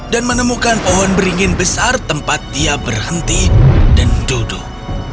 dan menemukan pohon beringin besar tempat dia berhenti dan duduk